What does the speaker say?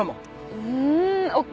うーんＯＫ。